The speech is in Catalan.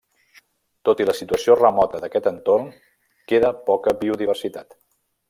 Tot i la situació remota d'aquest entorn, queda poca biodiversitat.